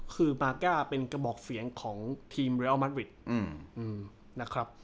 คือมาก้าเป็นกระบอกเสียงของทีมเรียลมัดวิดนะครับ